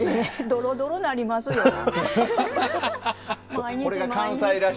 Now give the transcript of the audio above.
「ドロドロになりますやん」。